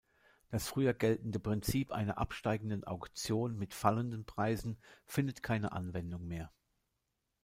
Das früher geltende Prinzip einer absteigenden Auktion mit fallenden Preisen findet keine Anwendung mehr.